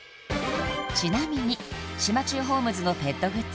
ちなみに島忠ホームズのペットグッズ